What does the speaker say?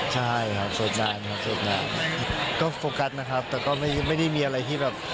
ใช่ครับสดนานครับเสียใจก็โฟกัสนะครับแต่ก็ไม่ได้มีอะไรที่แบบ